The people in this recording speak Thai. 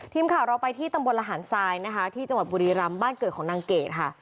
ทีมข่าวเราไปที่ตำบลระหารทรายนะคะที่จังหวัดบุรีรำบ้านเกิดของนางเกดค่ะ